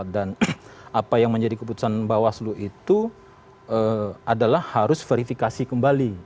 dan apa yang menjadi keputusan bawaslu itu adalah harus verifikasi kembali